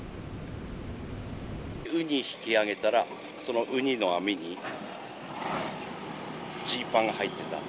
ウニ引き揚げたら、そのウニの網にジーパンが入ってた。